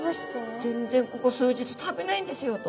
「全然ここ数日食べないんですよ」と。